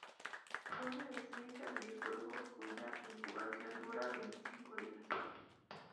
Pone de seis a diez huevos, cuya incubación dura veinticinco días.